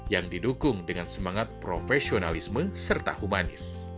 yang didukung dengan semangat profesionalisme serta humanis